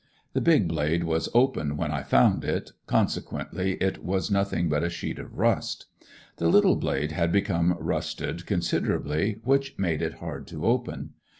The big blade was open when I found it, consequently it was nothing but a sheet of rust. The little blade had become rusted considerably, which made it hard to open.